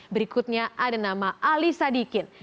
berikutnya ada nama ali sadikin